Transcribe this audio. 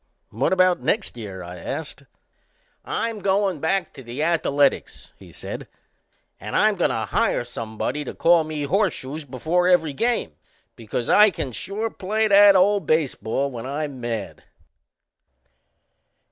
"What about next year?" I asked. "I'm goin' back to the Ath a letics," he said. "And I'm goin' to hire somebody to call me 'Horseshoes!' before every game because I can sure play that old baseball when I'm mad."